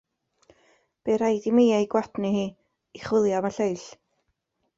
Bu raid i mi ei gwadnu hi i chwilio am y lleill.